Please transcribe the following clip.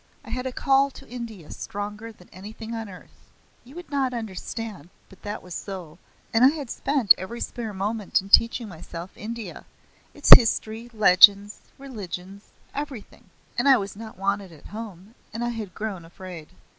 I had a call to India stronger than anything on earth. You would not understand but that was so, and I had spent every spare moment in teaching myself India its history, legends, religions, everything! And I was not wanted at home, and I had grown afraid."